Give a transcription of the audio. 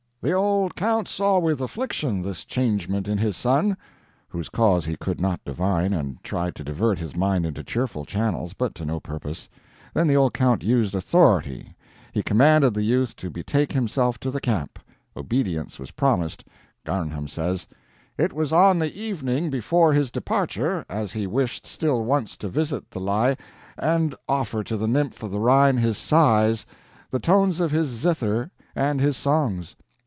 "The old count saw with affliction this changement in his son," whose cause he could not divine, and tried to divert his mind into cheerful channels, but to no purpose. Then the old count used authority. He commanded the youth to betake himself to the camp. Obedience was promised. Garnham says: "It was on the evening before his departure, as he wished still once to visit the Lei and offer to the Nymph of the Rhine his Sighs, the tones of his Zither, and his Songs.